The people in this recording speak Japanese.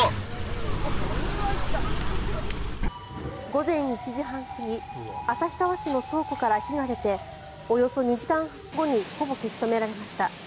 午前１時半過ぎ旭川市の倉庫から火が出ておよそ２時間後にほぼ消し止められました。